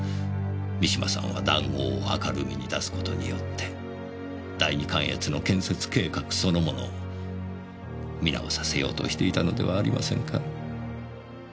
三島さんは談合を明るみに出すことによって第二関越の建設計画そのものを見直させようとしていたのではありませんか？